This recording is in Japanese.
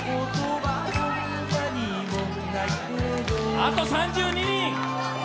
あと３２人！